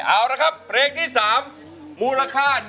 เอาล่ะครับเพลงที่๓มูลค่า๑๐๐๐๐บาท